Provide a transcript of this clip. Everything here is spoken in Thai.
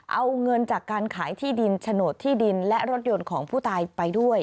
เอาเงินจากการขายที่ดินโฉนดที่ดินและรถยนต์ของผู้ตายไปด้วย